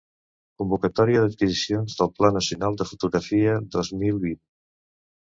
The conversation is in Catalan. Convocatòria d'adquisicions del Pla Nacional de Fotografia dos mil vint.